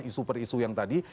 isu per isu yang tadi